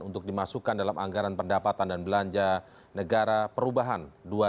untuk dimasukkan dalam anggaran pendapatan dan belanja negara perubahan dua ribu dua puluh